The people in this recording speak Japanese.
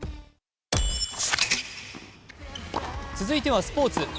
続いてはスポーツ。